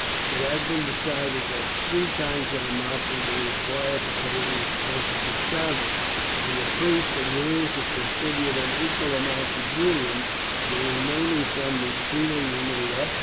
It had been decided that three times that amount would be required to pay all expenses of travel, and the priest agreeing to contribute an equal amount to Julian's, the remaining sum was speedily made up.